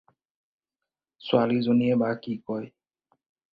ছোৱালীজনীয়ে বা কি কয়।